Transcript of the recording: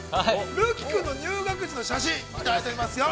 瑠姫君の入学時の写真、いただいております。